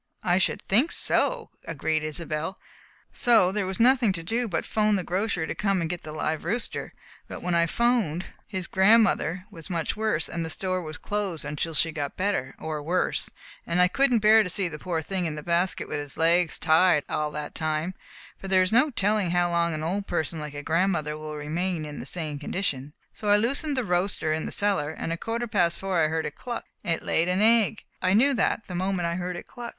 "I should think so!" agreed Isobel. "So there was nothing to do but 'phone the grocer to come and get the live roaster, but when I 'phoned, his grandmother was much worse, and the store was closed until she got better or worse and I couldn't bear to see the poor thing in the basket with its legs tied all that time, for there is no telling how long an old person like a grandmother will remain in the same condition, so I loosened the roaster in the cellar, and at a quarter past four I heard it cluck. It had laid an egg. I knew that the moment I heard it cluck."